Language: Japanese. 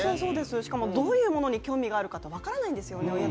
しかもどういうものに興味があるか、親でもなかなか分からないんですよね。